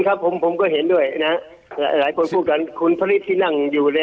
ครับผมผมก็เห็นด้วยน่ะหลายคนคุณพริษชี่นั่งอยู่ใน